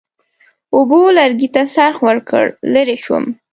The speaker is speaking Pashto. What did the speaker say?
اوبو لرګي ته څرخ ورکړ، لرې شوم.